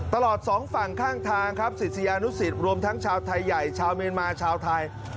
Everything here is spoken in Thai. ตลอดสองฝั่งข้างทางครับศิษยานุสิตรวมทั้งชาวไทยใหญ่ชาวเมียนมาชาวไทย